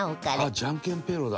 「『じゃんけんピエロ』だ」